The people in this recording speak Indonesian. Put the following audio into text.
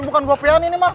ini bukan gua p an ini mah